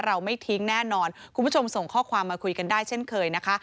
เราไม่ทิ้งแน่นอนคุณผู้ชมส่งข้อความมาคุยกันได้เช่นเคยนะคะ